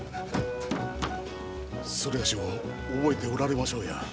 某を覚えておられましょうや。